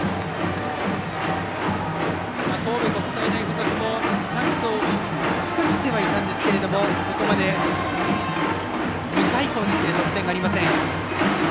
神戸国際大付属もチャンスを作ってはいたんですがここまで２回以降得点がありません。